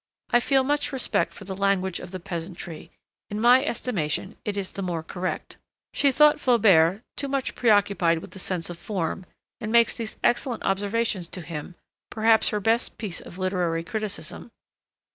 I feel much respect for the language of the peasantry; in my estimation it is the more correct.' She thought Flaubert too much preoccupied with the sense of form, and makes these excellent observations to him perhaps her best piece of literary criticism.